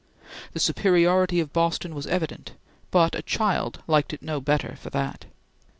The superiority of Boston was evident, but a child liked it no better for that.